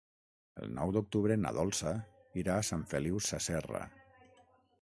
El nou d'octubre na Dolça irà a Sant Feliu Sasserra.